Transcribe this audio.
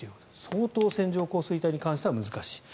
相当、線状降水帯に関しては難しい。